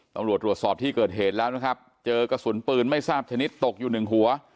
ตำรวจตรวจสอบที่เกิดเหตุแล้วนะครับเจอกระสุนปืนไม่ทราบชนิดตกอยู่หนึ่งหัว